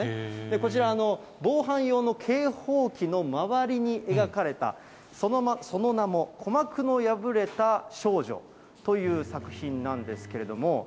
こちら、防犯用の警報器の周りに描かれた、その名も、鼓膜の破れた少女という作品なんですけれども。